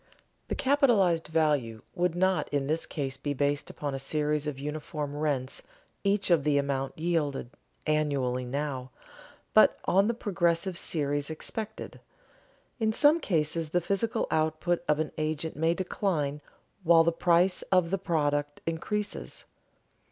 The capitalized value would not in this case be based upon a series of uniform rents each of the amount yielded annually now, but on the progressive series expected. In some cases the physical output of an agent may decline while the price of the product increases.